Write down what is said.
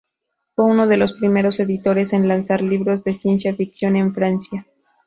Fue uno de los primeros editores en lanzar libros de ciencia ficción en Francia.